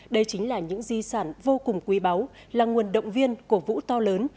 đây chính là những di sản vô cùng quý báu là nguồn động viên cổ vũ to lớn